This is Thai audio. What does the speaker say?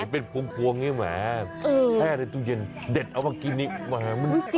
เป็นภวงนี่แหวะแค่ในตู้เย็นเด็ดเอามากินนี่มันอร่อยชื่อใจ